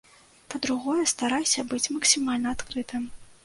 Па-другое, старайся быць максімальна адкрытым.